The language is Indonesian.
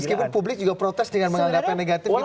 meskipun publik juga protes dengan menghadapi negatif gitu pak